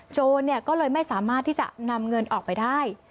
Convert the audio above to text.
โจรก็เลยไม่สามารถที่จะนำเงินออกไปได้